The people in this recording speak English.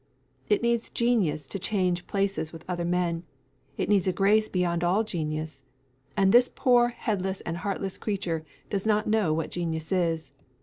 It needs genius to change places with other men; it needs a grace beyond all genius; and this poor headless and heartless creature does not know what genius is.